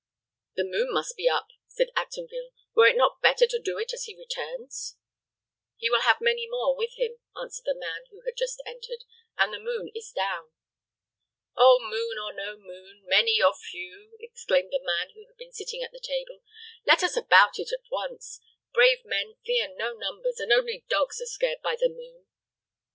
"The moon must be up," said Actonville. "Were it not better to do it as he returns?" "He will have many more with him," answered the man who had just entered; "and the moon is down." "Oh, moon or no moon, many or few," exclaimed the man who had been sitting at the table, "let us about it at once. Brave men fear no numbers; and only dogs are scared by the moon."